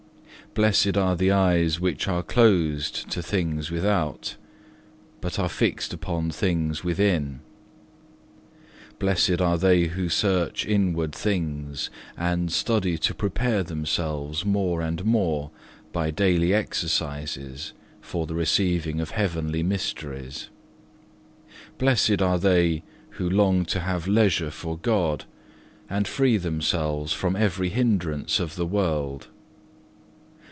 Blessed are the eyes which are closed to things without, but are fixed upon things within. Blessed are they who search inward things and study to prepare themselves more and more by daily exercises for the receiving of heavenly mysteries. Blessed are they who long to have leisure for God, and free themselves from every hindrance of the world.